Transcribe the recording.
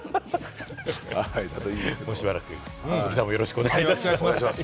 もうしばらく小木さんもよろしくお願いします。